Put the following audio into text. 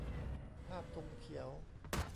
ภาพธงเขียว